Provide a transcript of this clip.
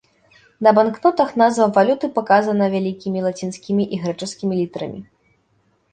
На банкнотах назва валюты паказана вялікімі лацінскімі і грэчаскімі літарамі.